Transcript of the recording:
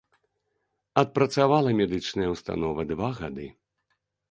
Адпрацавала медычная ўстанова два гады.